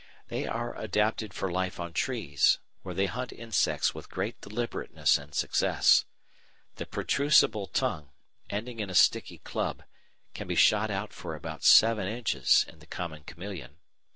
They are adapted for life on trees, where they hunt insects with great deliberateness and success. The protrusible tongue, ending in a sticky club, can be shot out for about seven inches in the common chameleon.